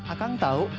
ah kang tahu